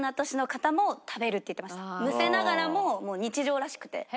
むせながらももう日常らしくて。